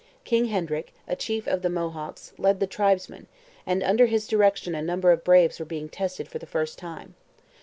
King Hendrick, a chief of the Mohawks, led the tribesmen, and under his direction a number of braves were being tested for the first time.